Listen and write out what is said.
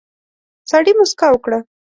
سړي موسکا وکړه.